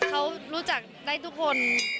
เขารู้จักได้ทุกคน